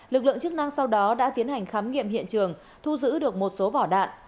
lực lượng chức năng sau đó đã tiến hành khám nghiệm hiện trường thu giữ được một số vỏ đạn